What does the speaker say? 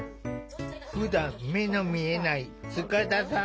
ふだん、目の見えない塚田さん